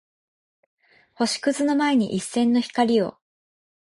星屑の前に一閃の光を